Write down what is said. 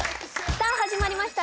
さあ始まりました